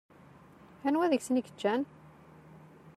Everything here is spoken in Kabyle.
Anwa deg-sen i yeččan?